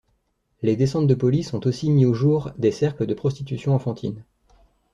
Les descentes de police ont aussi mis au jour des cercles de prostitution enfantine.